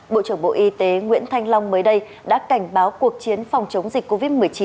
bộ trưởng bộ y tế nguyễn thanh long mới đây đã cảnh báo cuộc chiến phòng chống dịch covid một mươi chín